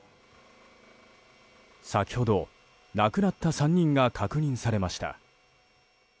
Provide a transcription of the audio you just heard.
先ほど、亡くなった３人が確認されました。